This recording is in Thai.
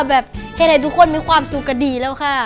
แบบให้ได้ทุกคนมีความสุขก็ดีแล้วค่ะ